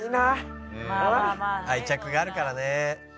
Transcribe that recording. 「愛着があるからね」